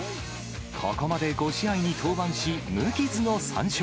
ここまで５試合に登板し、無傷の３勝。